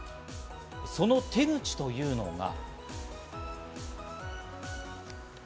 その手口というのが。